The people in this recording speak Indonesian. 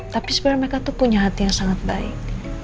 tapi sebenarnya mereka tuh punya hati yang sangat baik